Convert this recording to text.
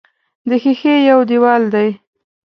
د ښیښې یو دېوال دی.